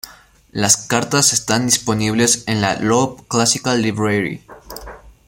Las cartas están disponibles en la Loeb Classical Library.